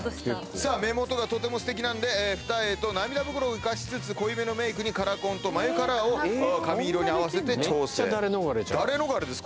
目元がとてもすてきなので二重と涙袋を生かしつつ濃いめのメイクにカラコンと眉カラーを髪色に合わせて調整ダレノガレです